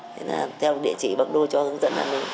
thế là theo địa chỉ bạc đô cho hướng dẫn là mình